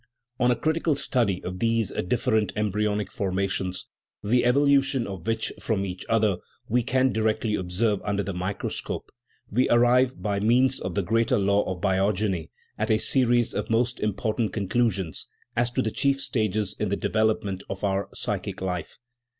On a critical study of these different embryonic for mations, the evolution of which from each other we can directly observe under the microscope, we arrive, by means of the great law of biogeny, at a series of most important conclusions as to the chief stages in the de velopment of our psychic life.